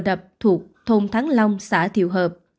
xe đạp thuộc thôn thắng long xã thiều hợp